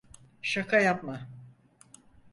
Şaka yapma.